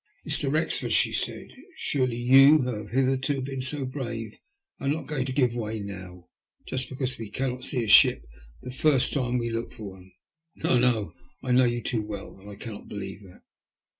" Mr. Wrexford," she said, " surely you who have hitherto been so brave are not going to give way now, just because we cannot see a ship the first time we look for one. No ! No 1 I know you too well, and I cannot believe that."